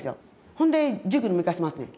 ほんで塾にも行かしますねん。